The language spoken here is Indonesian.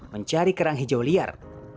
mencari kerang hijau liar